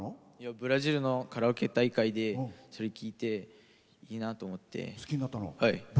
ブラジルのカラオケ大会でそれを聴いて、いいなと思って。